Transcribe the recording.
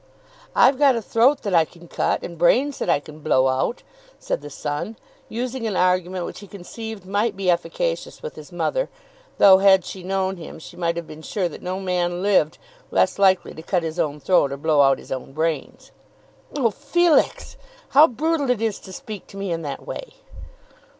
"I've got a throat that I can cut, and brains that I can blow out," said the son, using an argument which he conceived might be efficacious with his mother; though, had she known him, she might have been sure that no man lived less likely to cut his own throat or blow out his own brains. "Oh, Felix! how brutal it is to speak to me in that way."